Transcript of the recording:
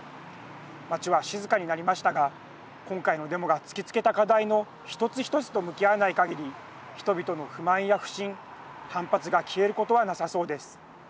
街は静かになりましたが今回のデモが突きつけた課題の一つ一つと向き合わないかぎり人々の不満や不信、反発が消えることはなさそうです。